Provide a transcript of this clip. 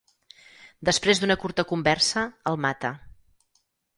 Després d'una curta conversa, el mata.